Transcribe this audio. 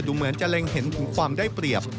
เหมือนจะเล็งเห็นถึงความได้เปรียบ